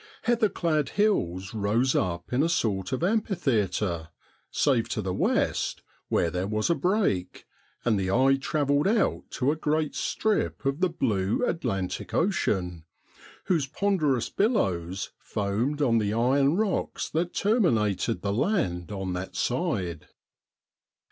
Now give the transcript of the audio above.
Heather clad hills rose up in a sort of amphitheatre, save to the west, where there was a break, and the eye travelled out to a great strip of the blue Atlantic Ocean, whose ponderous billows foamed on the iron rocks that terminated the land on that side.